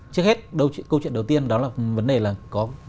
trước hết câu chuyện đầu tiên đó là vấn đề là có